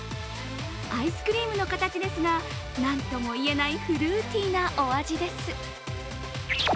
アイスクリームの形ですが何とも言えないフルーティーなお味です。